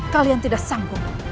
kalian tidak sanggup